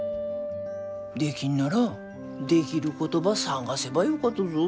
できんならできることば探せばよかとぞ。